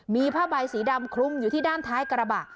มีผ้าใบสีดำคลุมอยู่ที่ด้านท้ายกระบะ